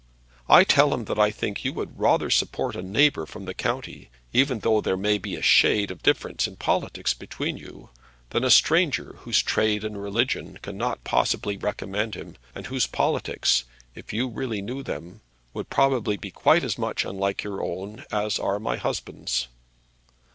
I tell him that I think you would rather support a neighbour from the county, even though there may be a shade of difference in politics between you, than a stranger, whose trade and religion cannot possibly recommend him, and whose politics, if you really knew them, would probably be quite as much unlike your own as are my husband's."